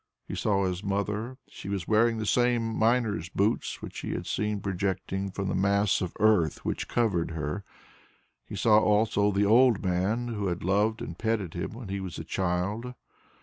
He saw his mother; she was wearing the same miner's boots which he had seen projecting from the mass of earth which covered her. He saw also the old man who had loved and petted him when he was a child.